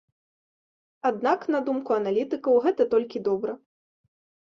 Аднак, на думку аналітыкаў, гэта толькі добра.